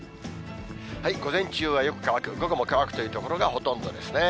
午前中はよく乾く、午後も乾くという所がほとんどですね。